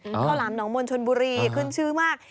ข้าวหลามหนองมนชนบุรีขึ้นชื่อมาก